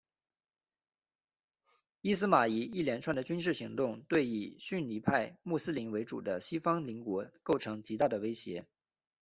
伊斯玛仪一连串的军事行动对以逊尼派穆斯林为主的西方邻国构成极大的威胁。